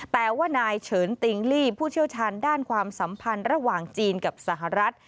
แต่ว่านายเฉินติงลี่ผู้เชี่ยวชาญด้านความสัมพันธ์ระหว่างจีนกับสหรัฐ